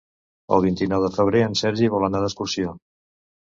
El vint-i-nou de febrer en Sergi vol anar d'excursió.